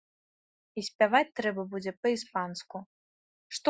І спяваць трэба будзе па-іспанску.